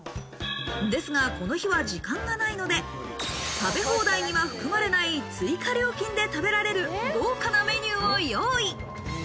ですが、この日は時間がないので食べ放題には含まれない追加料金で食べられる豪華なメニューを用意。